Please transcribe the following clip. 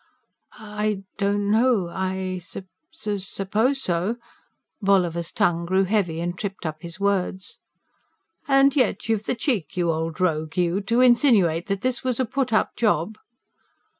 "I don't know I sup ... sup pose so." Bolliver's tongue grew heavy and tripped up his words. "And yet you've the cheek, you old rogue you, to insinuate that this was a put up job?"